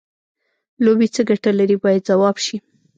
لوبې څه ګټه لري باید ځواب شي.